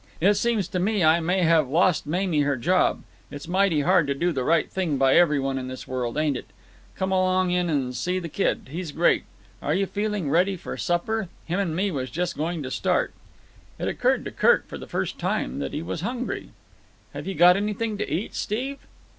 It seems to me I may have lost Mamie her job. It's mighty hard to do the right thing by every one in this world, ain't it? Come along in and see the kid. He's great. Are you feeling ready for supper? Him and me was just going to start." It occurred to Kirk for the first time that he was hungry. "Have you got anything to eat, Steve?"